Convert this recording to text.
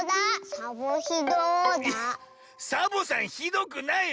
サボさんひどくないよ！